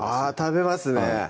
食べますね